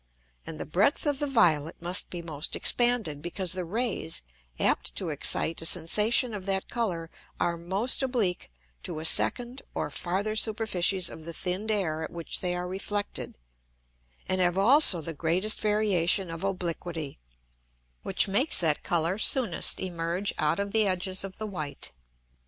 And the breadth of the violet must be most expanded, because the Rays apt to excite a Sensation of that Colour are most oblique to a second or farther Superficies of the thinn'd Air at which they are reflected, and have also the greatest variation of Obliquity, which makes that Colour soonest emerge out of the edges of the white.